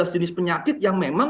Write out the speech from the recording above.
empat belas jenis penyakit yang memang